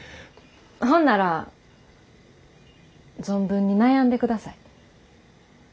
ほんなら存分に悩んでください。